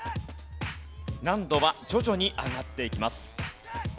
難度は徐々に上がっていきます。